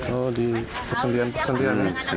oh di persendirian persendirian